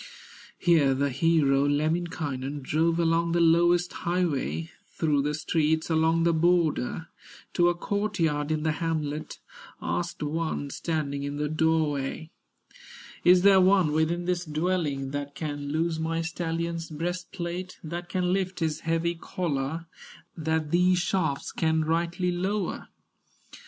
Here the hero, Lemminkainen, Drove along the lowest highway, Through the streets along the border, To a court yard in the hamlet, Asked one standing in the doorway: "Is there one within this dwelling, That can loose my stallion's breastplate, That can lift his heavy collar, That these shafts can rightly lower?"